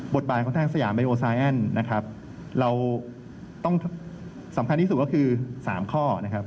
บาทของทางสยามไอโอไซแอนด์นะครับเราต้องสำคัญที่สุดก็คือ๓ข้อนะครับ